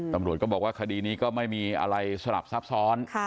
ตำรวจก็บอกว่าคดีนี้ก็ไม่มีอะไรสลับซับซ้อน